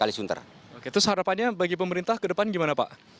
itu seharapannya bagi pemerintah ke depan gimana pak